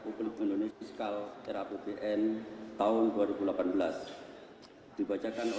fahri hamzah tidak sah karena tidak mewakili fraksi atas asumsi makro rapbn dua ribu delapan belas